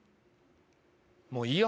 もういいよ。